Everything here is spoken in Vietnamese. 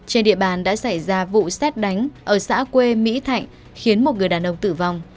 trên địa bàn đã xảy ra vụ xét đánh ở xã quê mỹ thạnh khiến một người đàn ông tử vong